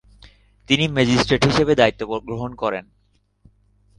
তিনি ম্যাজিস্ট্রেট হিসেবে দায়িত্ব গ্রহণ করেন।